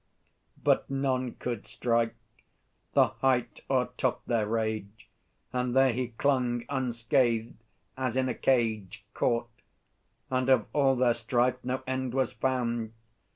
But none could strike. The height o'ertopped their rage, And there he clung, unscathed, as in a cage Caught. And of all their strife no end was found.